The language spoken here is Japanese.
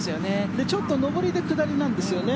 ちょっと上りで下りなんですよね。